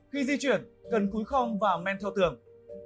khi di chuyển cần cúi không và men theo tường